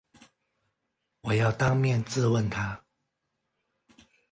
我要当面质问他